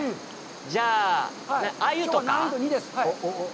じゃあ、アユとか？